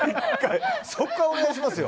そこはお願いしますよ。